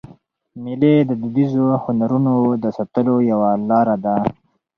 مېلې د دودیزو هنرونو د ساتلو یوه لاره ده.